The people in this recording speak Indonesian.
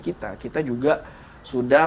kita kita juga sudah